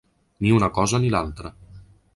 Ni una cosa ni l’altra.